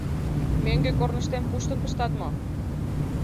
Мӧҥгӧ корныштем пуштын пыштат мо?